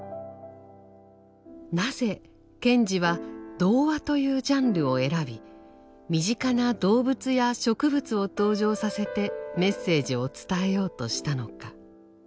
なぜ賢治は童話というジャンルを選び身近な動物や植物を登場させてメッセージを伝えようとしたのか。